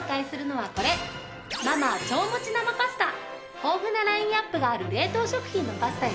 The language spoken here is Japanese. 豊富なラインアップがある冷凍食品のパスタよ。